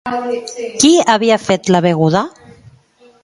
Qui havia fet la bugada?